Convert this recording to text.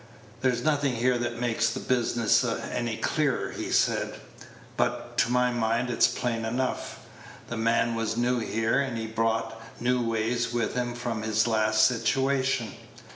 "There's nothing here that makes the business any clearer," he said; "but, to my mind, it's plain enough. The man was new here, and he brought new ways with him from his last situation.